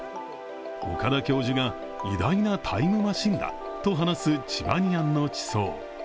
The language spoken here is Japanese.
岡田教授が偉大なタイムマシンだと話すチバニアンの地層。